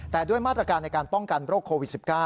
แต่ด้วยมาตรการในการป้องกันโรคโควิด๑๙